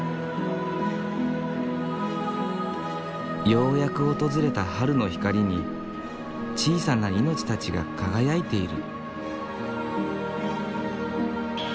ようやく訪れた春の光に小さな命たちが輝いている。